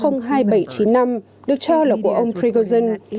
nga đã truyền thông qua hai nghìn bảy trăm chín mươi năm được cho là của ông prigozhin